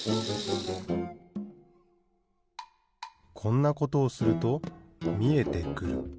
こんなことをするとみえてくる。